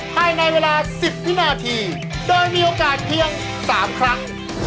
ภายในเวลา๑๐วินาทีโดยมีโอกาสเพียง๓ครั้ง